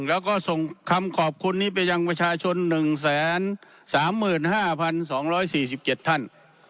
แล้วก็ส่งคำขอบคุณนี้ไปยังประชาชน๑๓๕๒๔๗ท่าน